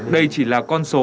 đây chỉ là con số